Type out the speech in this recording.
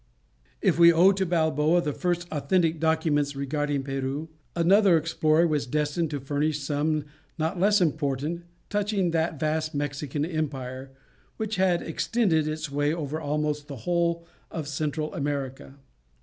If we owe to Balboa the first authentic documents regarding Peru, another explorer was destined to furnish some not less important touching that vast Mexican Empire, which had extended its sway over almost the whole of Central America.